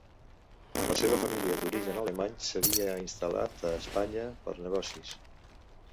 La seva família, d'origen alemany, s'havia instal·lat a Espanya per negocis.